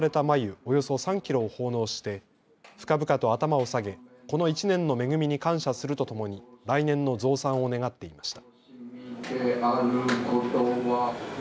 およそ３キロを奉納して深々と頭を下げ、この１年の恵みに感謝するとともに来年の増産を願っていました。